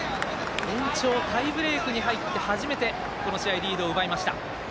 延長タイブレークに入って初めてこの試合、リードを奪いました。